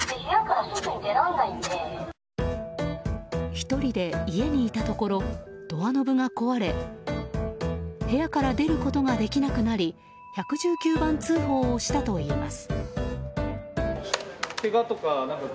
１人で家にいたところドアノブが壊れ部屋から出ることができなくなり１１９番通報をしたといいます。